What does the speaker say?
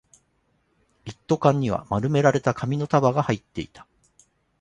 一斗缶には丸められた紙の束が入っていた